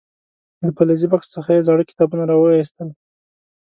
له فلزي بکس څخه یې زاړه کتابونه راو ویستل.